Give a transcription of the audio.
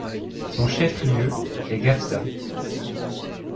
Son chef-lieu est Gafsa.